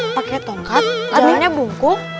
pakai tongkat jalannya bungku